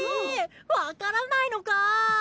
わからないのかぁ。